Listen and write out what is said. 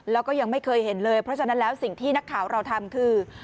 แล้วก็ยังไม่เคยเห็นเลยเพราะฉะนั้นแล้วสิ่งที่นักข่าวเราทำคือ